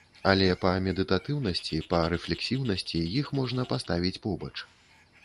Але па медытатыўнасці, па рэфлексіўнасці іх можна паставіць побач.